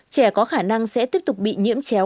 trẻ có khả năng sẽ tiếp tục bị nhiễm chéo